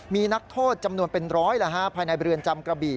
มีนักโทษจำนวนเป็นร้อยภายในเรือนจำกระบี่